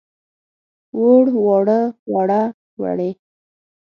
ووړ، واړه، وړه، وړې.